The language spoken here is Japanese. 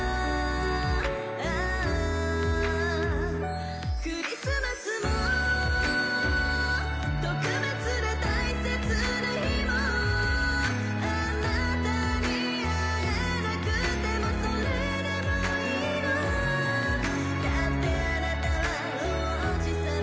Ａｈクリスマスも特別で大切な日も貴方に会えなくてもそれでもいいのだって貴方は王子サマ